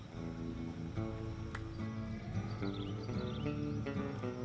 jembatan kahayan berada di jepang dan jepang